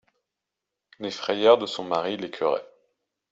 Les frayeurs de son mari l'écœuraient.